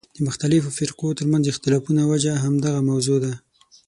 د مختلفو فرقو ترمنځ اختلافونو وجه همدغه موضوع ده.